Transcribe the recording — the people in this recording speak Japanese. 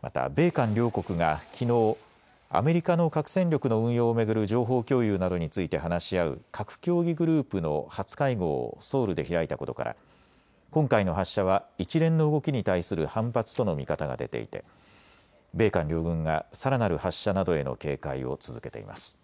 また米韓両国がきのうアメリカの核戦力の運用を巡る情報共有などについて話し合う核協議グループの初会合をソウルで開いたことから今回の発射は一連の動きに対する反発との見方が出ていて米韓両軍がさらなる発射などへの警戒を続けています。